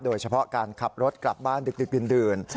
โดยเฉพาะการขับรถกลับบ้านดึกดื่น